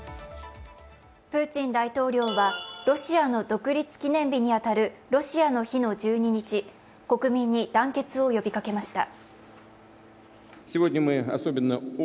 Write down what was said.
プーチン大統領はロシアの独立記念日に当たるロシアの日の１２日、国民に団結を呼びかけました。